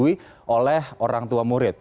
dan disetujui oleh orang tua murid